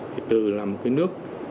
thì từ là một cái nước